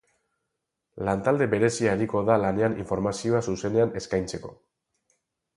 Lantalde berezia ariko da lanean informazioa zuzenean eskaintzeko.